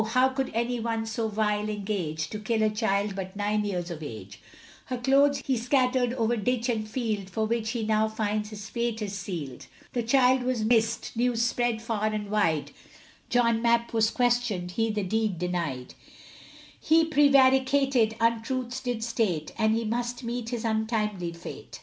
how could any one so vile engage, To kill a child but nine years of age; Her clothes he scattered over ditch and field, For which he finds now his fate is sealed. The child was missed news spread far and wide, John Mapp was questioned, he the deed denied, He prevaricated untruths did state, And he must meet his untimely fate.